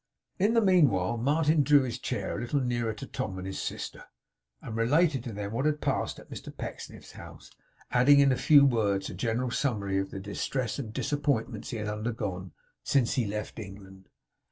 In the meanwhile, Martin drew his chair a little nearer to Tom and his sister, and related to them what had passed at Mr Pecksniff's house; adding in few words a general summary of the distresses and disappointments he had undergone since he left England.